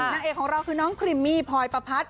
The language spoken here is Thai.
นางเอกของเราคือน้องคริมมี่พลอยประพัด